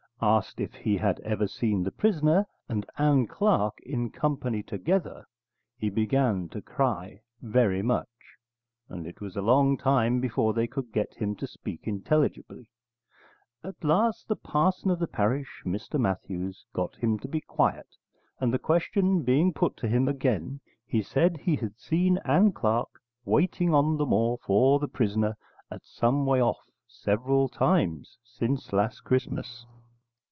Asked if he had ever seen the prisoner and Ann Clark in company together, he began to cry very much, and it was a long time before they could get him to speak intelligibly. At last the parson of the parish, Mr Matthews, got him to be quiet, and the question being put to him again, he said he had seen Ann Clark waiting on the moor for the prisoner at some way off, several times since last Christmas.